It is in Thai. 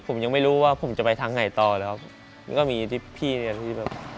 ผมยังไม่รู้ว่าผมจะไปทางไหนต่อล่ะครับ